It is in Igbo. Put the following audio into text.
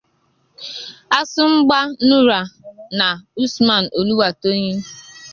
Asungba Nura and Usman Oluwatoyin.